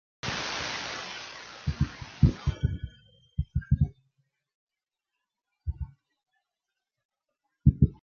Se encuentran en las costas de Reunión y Mauricio.